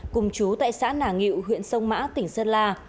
cùng chú tại xã nà ngự huyện sông mã tỉnh sơn la